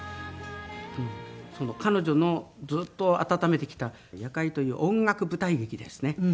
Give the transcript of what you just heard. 彼女のずっと温めてきた『夜会』という音楽舞台劇ですね